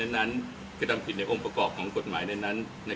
อย่างนั้นกระทำติดในองค์ประกอบของข้อกฎหมายแรงนี้